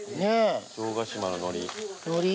城ヶ島ののり。